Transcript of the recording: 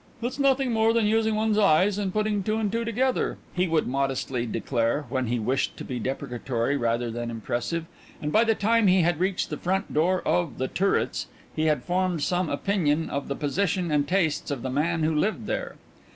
"It's nothing more than using one's eyes and putting two and two together," he would modestly declare, when he wished to be deprecatory rather than impressive, and by the time he had reached the front door of "The Turrets" he had formed some opinion of the position and tastes of the man who lived there.